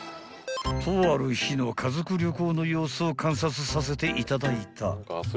［とある日の家族旅行の様子を観察させていただいた］